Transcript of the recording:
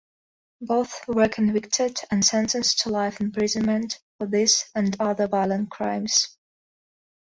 Both were convicted and sentenced to life imprisonment for this and other violent crimes.